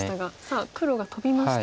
さあ黒がトビました。